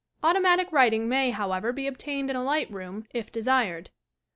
Automatic writing may, however, be ob tained in a light room, If desired.